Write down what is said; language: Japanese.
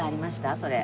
それ。